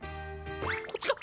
こっちか？